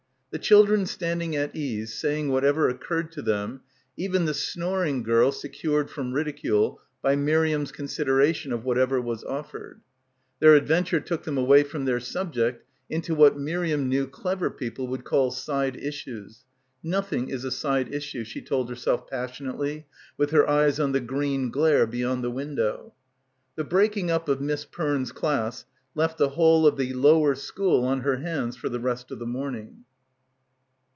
The children standing at ease, saying whatever occurred to them, even the snoring girl secured from ridicule by Miriam's consideration of what ever was offered. Their adventure took them away from their subject into what Miriam knew "clever" people would call "side issues." "Noth ing is a side issue," she told herself passionately with her eyes on the green glare beyond the win dow. The breaking up of Miss Perne's class left the whole of the lower school on her hands for the rest of the morning.